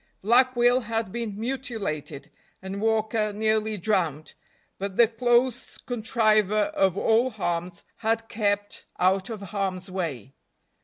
Black Will had been mutilated, and Walker nearly drowned, but "the close contriver of all harms" had kept out of harm's way.